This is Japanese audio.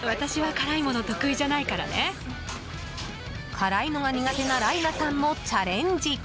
辛いのが苦手なライナさんもチャレンジ！